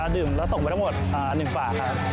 ดื่มแล้วส่งไปทั้งหมด๑ฝาครับ